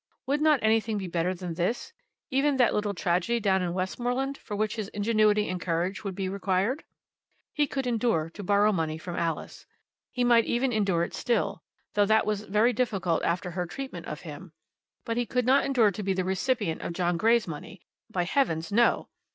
Would not anything be better than this, even that little tragedy down in Westmoreland, for which his ingenuity and courage would be required? He could endure to borrow money from Alice. He might even endure it still, though that was very difficult after her treatment of him; but he could not endure to be the recipient of John Grey's money. By heavens, no!